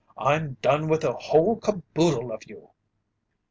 I'm done with the whole caboodle of you!"